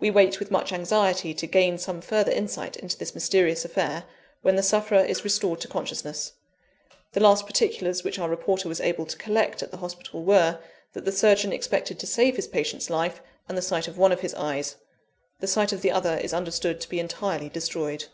We wait with much anxiety to gain some further insight into this mysterious affair, when the sufferer is restored to consciousness. The last particulars which our reporter was able to collect at the hospital were, that the surgeon expected to save his patient's life, and the sight of one of his eyes. The sight of the other is understood to be entirely destroyed."